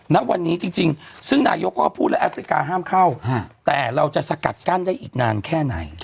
ณวันนี้จริงซึ่งนายกก็พูดแล้วแอฟริกาห้ามเข้าแต่เราจะสกัดกั้นได้อีกนานแค่ไหน